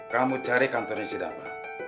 kamu cari kantornya si dava